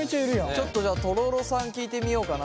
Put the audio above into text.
ちょっとじゃあとろろさん聞いてみようかな。